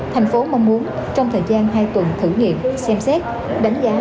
thành phố mong muốn trong thời gian hai tuần thử nghiệm xem xét đánh giá